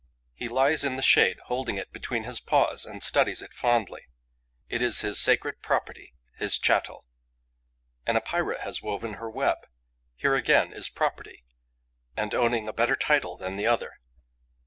He lies in the shade, holding it between his paws, and studies it fondly. It is his sacred property, his chattel. An Epeira has woven her web. Here again is property; and owning a better title than the other.